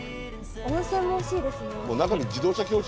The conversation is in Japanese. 温泉も欲しいですね。